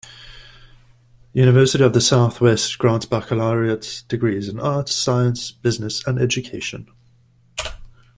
University of the Southwest grants baccalaureate degrees in Arts and Sciences, Business, and Education.